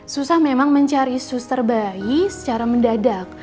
susah memang mencari suster bayi secara mendadak